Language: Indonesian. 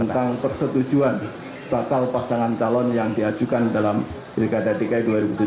tentang persetujuan bakal pasangan calon yang diajukan dalam pilkada dki dua ribu tujuh belas